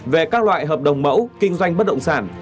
về các loại hợp đồng mẫu kinh doanh bất động sản